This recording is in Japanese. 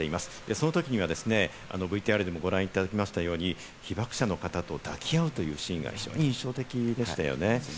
その時にはＶＴＲでもご覧いただきましたように、被爆者の方と抱き合うというシーンが非常に印象的でしたよね。